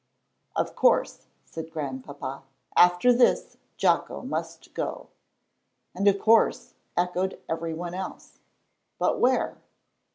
"Of course," said Grandpapa, "after this, Jocko must go." And "Of course," echoed every one else. "But where?"